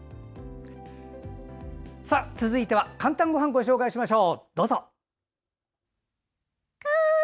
続いては「かんたんごはん」ご紹介します。